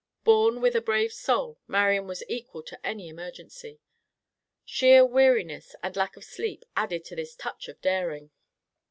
Born with a brave soul, Marian was equal to any emergency. Sheer weariness and lack of sleep added to this a touch of daring.